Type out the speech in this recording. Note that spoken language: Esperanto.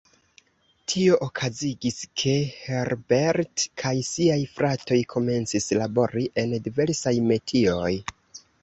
Tio okazigis, ke Herbert kaj siaj fratoj komencis labori en diversaj metioj.